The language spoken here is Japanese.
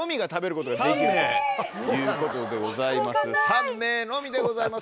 ３名のみでございます